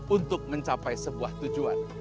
untuk mencapai sebuah tujuan